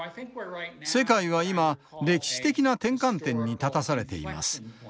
世界は今歴史的な転換点に立たされています。